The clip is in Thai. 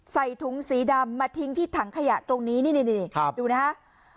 ใส่ถุงสีดำมาทิ้งที่ถังขยะตรงนี้นี่ดูนะฮะ